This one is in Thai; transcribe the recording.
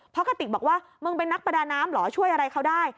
เพราะกระติกบอกว่ามึงเป็นนักประดาน้ำเหรอช่วยอะไรเขาได้